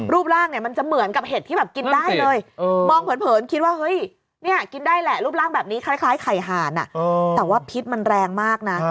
รูปร่างเนี่ยมันจะเหมือนกับเห็ดที่แบบกินได้เลยมองเผินคิดว่าเฮ้ยเนี่ยกินได้แหละรูปร่างแบบนี้คล้ายไข่หานแต่ว่าพิษมันแรงมากนะ